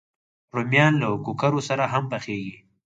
رومیان له کوکرو سره هم پخېږي